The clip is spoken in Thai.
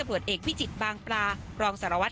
นักจิตเจ็บหรือนักจิต